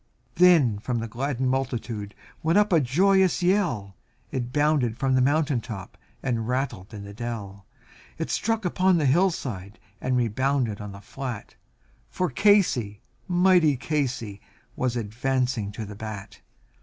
Then from the gladdened multitude went up a joyous yell, It bounded from the mountain top and rattled in the dell, It struck upon the hillside, and rebounded on the flat, For Casey, mighty Casey, was advancing to the bat.